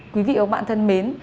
quý vị và các bạn thân mến